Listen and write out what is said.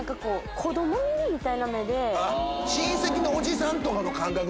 あっ親戚のおじさんとかの感覚なんだ。